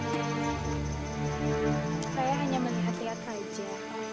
saya hanya melihat lihat saja